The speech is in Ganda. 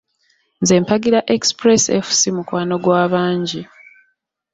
Nze mpagira Express Fc mukwano gw’abangi.